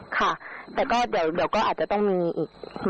ค่ะแต่ก็เดี๋ยวก็อาจจะต้องมีอีก